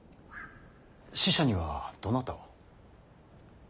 使者にはどなたを。